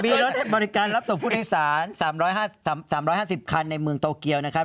มีรถบริการรับส่งผู้โดยสาร๓๕๐คันในเมืองโตเกียวนะครับ